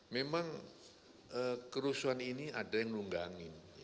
memang kerusuhan ini ada yang nunggangin